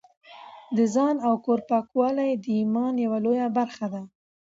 د ځان او کور پاکوالی د ایمان یوه لویه برخه ده.